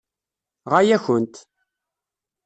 Ɣaya-kent.